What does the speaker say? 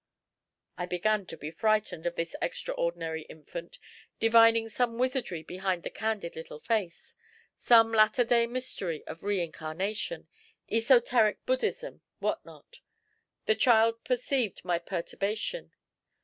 I began to be frightened of this extraordinary infant, divining some wizardry behind the candid little face some latter day mystery of re incarnation, esoteric Buddhism, what not. The child perceived my perturbation.